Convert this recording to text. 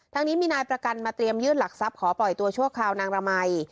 นี้มีนายประกันมาเตรียมยื่นหลักทรัพย์ขอปล่อยตัวชั่วคราวนางระมัย